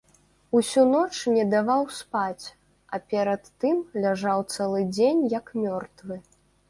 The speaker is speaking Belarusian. Усю ноч не даваў спаць, а перад тым ляжаў цэлы дзень як мёртвы.